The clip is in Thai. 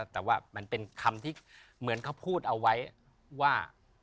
แต่ว่ามันเป็นคำที่เหมือนเขาพูดเอาไว้ว่า